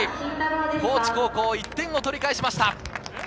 高知高校、１点を取り返しました。